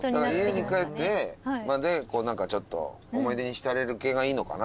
家に帰って思い出に浸れる系がいいのかな。